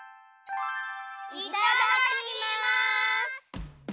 いただきます！